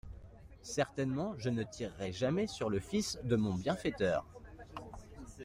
Certainement je ne tirerai jamais sur le fils de mon bienfaiteur.